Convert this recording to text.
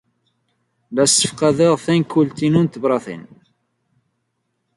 La ssefqadeɣ tankult-inu n tebṛatin.